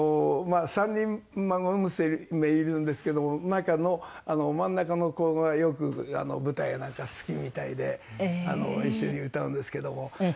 ３人孫娘いるんですけど真ん中の子がよく舞台やなんか好きみたいで一緒に歌うんですけども。